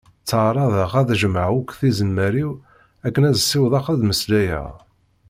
Tteɛraḍeɣ ad d-jemmɛeɣ akk tizemmar-iw akken ad ssiwḍeɣ ad d-mmeslayeɣ.